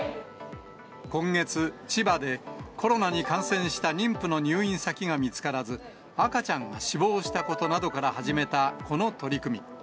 今月、千葉でコロナに感染した妊婦の入院先が見つからず、赤ちゃんが死亡したことなどから始めたこの取り組み。